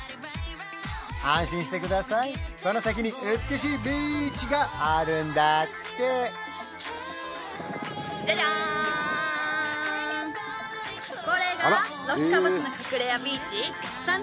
安心してくださいこの先に美しいビーチがあるんだってジャジャーン！